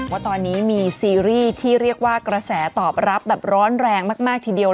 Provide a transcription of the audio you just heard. ว่าตอนนี้มีซีรีส์ที่เรียกว่ากระแสตอบรับแบบร้อนแรงมากทีเดียว